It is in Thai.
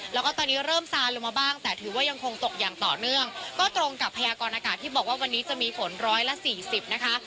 แล้วก็ตอนนี้เริ่มซานลงมาบ้างแต่ถือว่ายังคงตกอย่างต่อเนื่องก็ตรงกับพยากรอากาศที่บอกว่าวันนี้จะมีฝนร้อยละสี่สิบนะคะ